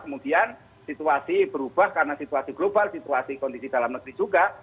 kemudian situasi berubah karena situasi global situasi kondisi dalam negeri juga